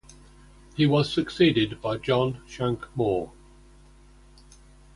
He was succeeded by John Shank More.